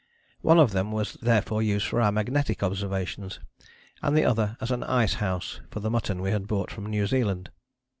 One of them was therefore used for our magnetic observations, and the other as an ice house for the mutton we had brought from New Zealand.